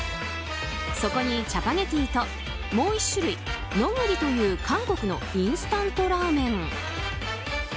そこにチャパゲティともう１種類ノグリという韓国のインスタントラーメン。